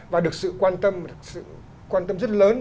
và được sự quan tâm rất lớn